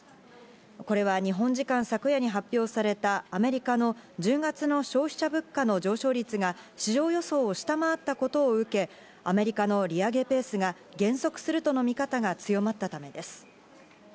これは日本時間昨夜に発表されたアメリカの１０月の消費者物価の上昇率が、市場予想を下回ったことを受け、アメリカの利上げペースが減速するとの見方が強まったためです。